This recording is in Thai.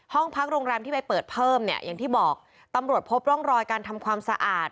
ห้องพักโรงแรมที่ไปเปิดเพิ่มเนี่ยอย่างที่บอกตำรวจพบร่องรอยการทำความสะอาด